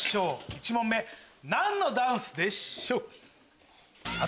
１問目何のダンスでしょう？